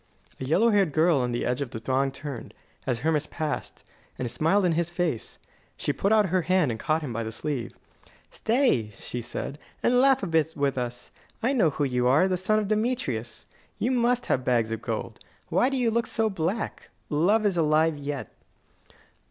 A yellow haired girl on the edge of the throng turned, as Hermas passed, and smiled in his face. She put out her hand and caught him by the sleeve. "Stay," she said, "and laugh a bit with us. I know who you are the son of Demetrius. You must have bags of gold. Why do you look so black? Love is alive yet."